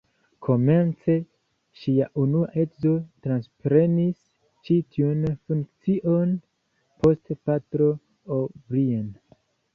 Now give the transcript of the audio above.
Komence ŝia unua edzo transprenis ĉi tiun funkcion, poste Patro O’Brien.